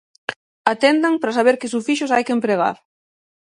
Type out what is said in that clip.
Atendan para saber que sufixos hai que empregar.